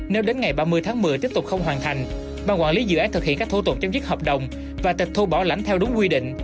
nếu đến ngày ba mươi tháng một mươi tiếp tục không hoàn thành ban quản lý dự án thực hiện các thủ tục chấm dứt hợp đồng và tịch thu bảo lãnh theo đúng quy định